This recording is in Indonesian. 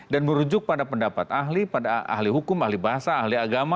dan merujuk pada pendapat ahli ahli hukum ahli bahasa ahli agama